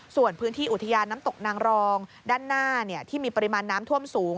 ส่วนพื้นที่อุทยานน้ำตกนางรองด้านหน้าที่มีปริมาณน้ำท่วมสูง